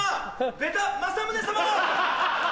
ベタ政宗様！